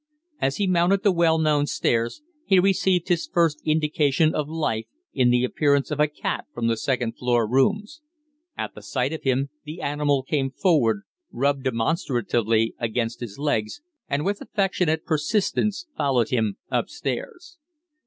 As he mounted the well known stairs, he received his first indication of life in the appearance of a cat from the second floor rooms. At sight of him, the animal came forward, rubbed demonstratively against his legs, and with affectionate persistence followed him up stairs.